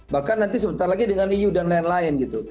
bahkan nanti sebentar lagi dengan liu dan lain lain gitu